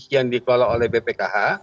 yang dikelola oleh bpkh